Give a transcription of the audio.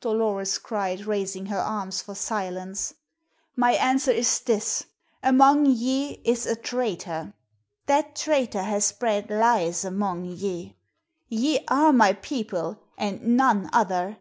Dolores cried, raising her arms for silence. "My answer is this. Among ye is a traitor. That traitor has spread lies among ye. Ye are my people, and none other.